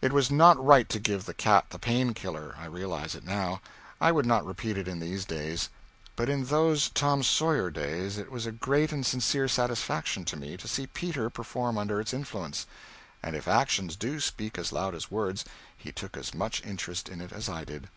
It was not right to give the cat the "Pain Killer"; I realize it now. I would not repeat it in these days. But in those "Tom Sawyer" days it was a great and sincere satisfaction to me to see Peter perform under its influence and if actions do speak as loud as words, he took as much interest in it as I did.